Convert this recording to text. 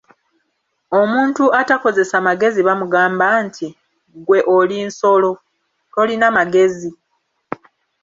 Omuntu atakozesa magezi, bamugamba nti: "Ggwe oli nsolo, tolina magezi?"